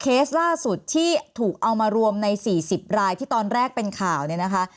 เคสล่าสุดที่ถูกเอามารวมใน๔๐รายที่ตอนแรกเป็นข่าวเนี่ยนะคะ